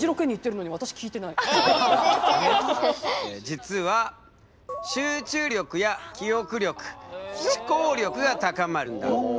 実は集中力や記憶力思考力が高まるんだ。